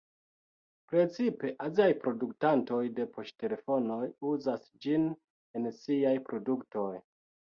Precipe aziaj produktantoj de poŝtelefonoj uzas ĝin en siaj produktoj.